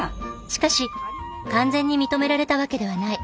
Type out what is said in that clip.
しかし完全に認められたわけではない。